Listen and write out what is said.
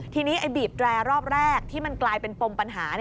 ทีนี้ไอ้บีบแตรรอบแรกที่มันกลายเป็นปมปัญหา